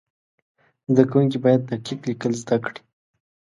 زده کوونکي باید دقیق لیکل زده کړي.